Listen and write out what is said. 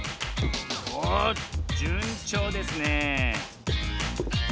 おじゅんちょうですねえ